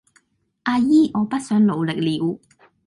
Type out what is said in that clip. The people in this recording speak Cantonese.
阿姨我不想努力了